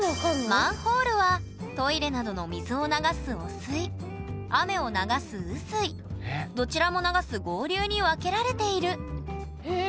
マンホールはトイレなどの水を流す汚水雨を流す雨水どちらも流す合流に分けられているへえ。